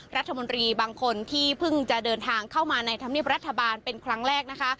รัฐมนตรีบางคนที่เพิ่งจะเดินทางเข้ามาในธรรมเนียบรัฐบาลเป็นครั้งแรกนะคะ